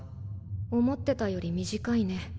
思ってたより短いね。